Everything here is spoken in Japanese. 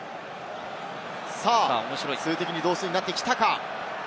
数的に同数になってきたか。